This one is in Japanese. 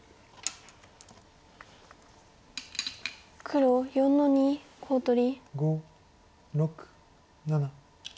黒４の二コウ取り。